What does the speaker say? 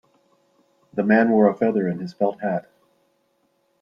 The man wore a feather in his felt hat.